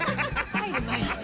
入る前にね。